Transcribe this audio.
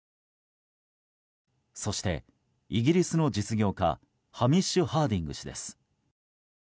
そして、イギリスの実業家ハミッシュ・ハーディング氏です。